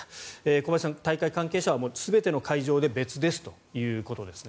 小林さん、大会関係者は全ての会場で別ですということですね。